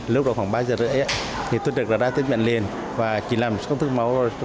lúc đó khoảng ba giờ rưỡi á thì tuân trực đã ra tới miệng liền và chỉ làm một công thức máu rồi